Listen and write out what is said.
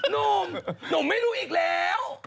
หนุ่มหนุ่มไม่รู้อีกแล้ว